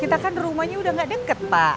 kita kan rumahnya udah gak deket pak